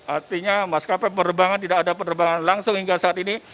artinya maskapai penerbangan tidak ada penerbangan langsung hingga saat ini